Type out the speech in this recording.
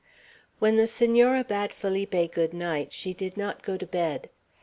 XI WHEN the Senora bade Felipe good night, she did not go to bed.